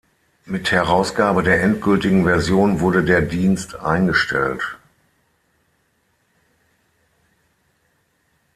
Mit Herausgabe der endgültigen Version wurde der Dienst eingestellt.